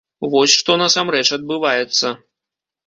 Вось што насамрэч адбываецца.